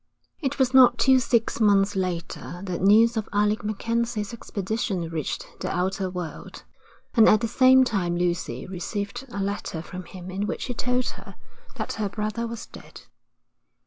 XII It was not till six months later that news of Alec MacKenzie's expedition reached the outer world, and at the same time Lucy received a letter from him in which he told her that her brother was dead.